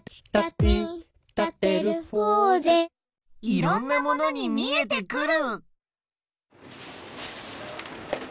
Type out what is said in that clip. いろんなものにみえてくる！